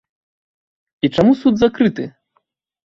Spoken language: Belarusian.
І чаму суд закрыты?